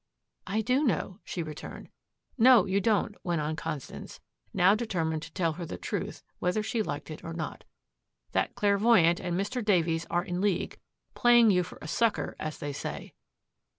"I do know," she returned. "No, you don't," went on Constance, now determined to tell her the truth whether she liked it or not. "That clairvoyant and Mr. Davies are in league, playing you for a sucker, as they say."